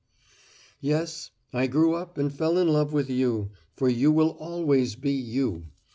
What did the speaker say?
"Yes, I grew up and fell in love with You for you will always be You.